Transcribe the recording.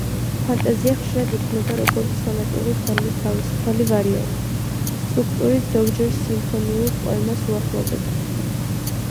ფანტაზია ხშირად იქმნება როგორც სონატური ფორმის თავისუფალი ვარიანტი; სტრუქტურით ზოგჯერ სიმფონიურ პოემას უახლოვდება.